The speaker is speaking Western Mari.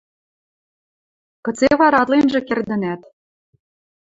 – Кыце вара ытленжӹ кердӹнӓт?